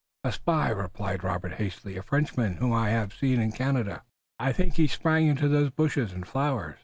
"A spy!" replied Robert hastily. "A Frenchman whom I have seen in Canada! I think he sprang into those bushes and flowers!"